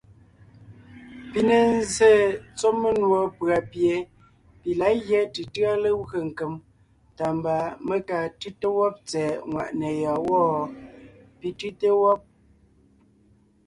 Pi ne zsé tsɔ́ menùɔ pʉ̀a pie pi lǎ gyɛ́ tʉtʉ́a legwé nkem, tá mba mé kaa tʉ́te wɔ́b tsɛ̀ɛ nwàʼne yɔ́ɔn wɔ́? pi tʉ́te wɔ́b.